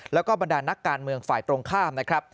แล้วก็บันดานนักการเมืองฝ่ายตรงข้าม